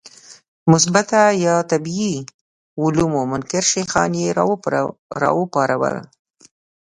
د مثبته یا طبیعي علومو منکر شیخان یې راوپارول.